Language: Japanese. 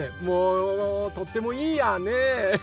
もうとってもいいやね。